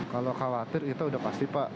kalau khawatir itu sudah pasti pak